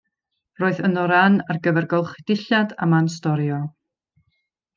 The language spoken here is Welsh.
Roedd ynddo ran ar gyfer golchi dillad a man storio.